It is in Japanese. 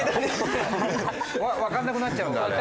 分かんなくなっちゃうんだあれ。